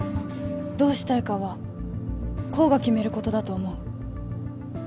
どうしたいかは功が決めることだと思う